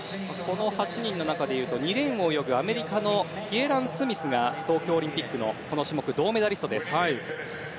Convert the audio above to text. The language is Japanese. ８人の中でいうと２レーン、アメリカのキエラン・スミスが東京オリンピックのこの種目、銅メダリストです。